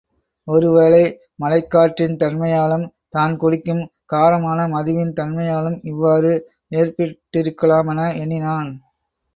ஒருவேளை மலைக்காற்றின் தன்மையாலும், தான் குடிக்கும் காரமான மதுவின் தன்மையாலும் இவ்வாறு ஏற்பட்டிருக்கலாமென எண்ணினான்.